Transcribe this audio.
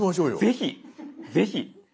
ぜひぜひ。